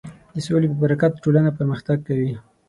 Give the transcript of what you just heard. د سولې په برکت ټولنه پرمختګ کوي.